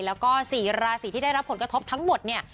แล้วก็๔ราศีที่ได้รับผลกระทบทั้งหมดเนี่ย